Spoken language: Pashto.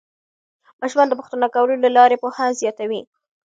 ماشومان د پوښتنو کولو له لارې پوهه زیاتوي